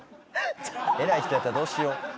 偉い人やったらどうしよ？